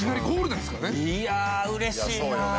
いやうれしいな。